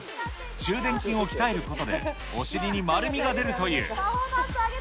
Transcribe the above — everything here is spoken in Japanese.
中臀筋を鍛えることで、お尻に丸みが出るという。